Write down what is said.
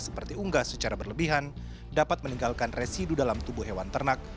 seperti unggas secara berlebihan dapat meninggalkan residu dalam tubuh hewan ternak